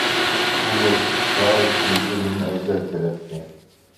ئۇ بولسا «ئىقرار» دىن ئۆلۈمنى ئەۋزەل كۆرەتتى.